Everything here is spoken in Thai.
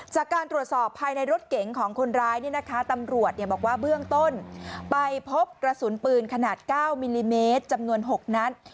จากการตรวจสอบภายในรถเก๋งของคนร้ายตำรวจบอกว่าเบื้องต้นไปพบกระสุนปืนขนาด๙มิลลิเมตรจำนวน๖นัด